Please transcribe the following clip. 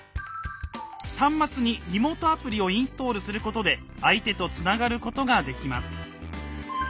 端末にリモートアプリをインストールすることで相手とつながることができます。